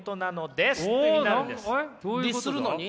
律するのに？